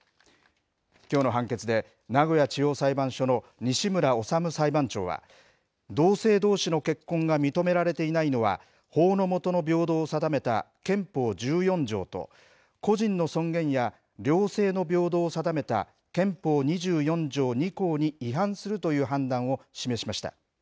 きょうの判決で名古屋地方裁判所の西村修裁判長は、同性どうしの結婚が認められていないのは、法の下の平等を定めた憲法１４条と個人の尊厳や、両性の平等を定めた憲法２４条２項に違反するという判断を示しました。